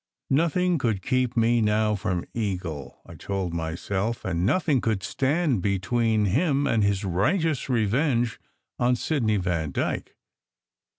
Nothing could keep me now from Eagle, I told myself, and nothing could stand between him and his righteous revenge on Sidney Vandyke.